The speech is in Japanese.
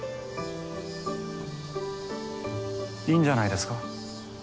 いいんじゃないですか。